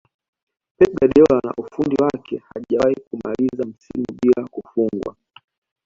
Pep Guardiola na ufundi wake hajawahi kumaliza msimu bila kufungwa